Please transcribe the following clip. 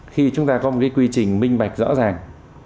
khi chúng ta có một cái quy trình minh bạch rõ ràng